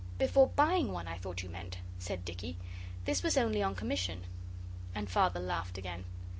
'Before buying one I thought you meant,' said Dicky. 'This was only on commission.' And Father laughed again.